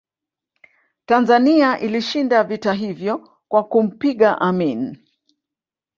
tanzania ilishinda vita hivyo kwa kumpiga amini